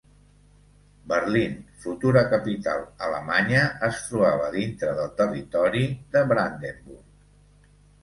Berlín, futura capital alemanya, es trobava dintre del territori de Brandenburg.